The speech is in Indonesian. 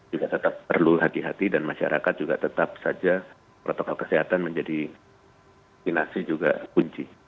juga tetap perlu hati hati dan masyarakat juga tetap saja protokol kesehatan menjadi vaksinasi juga kunci